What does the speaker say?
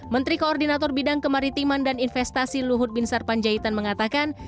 menteri koordinator bidang kemaritiman dan investasi luhut bin sarpanjaitan mengatakan